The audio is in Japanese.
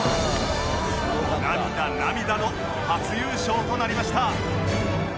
涙涙の初優勝となりました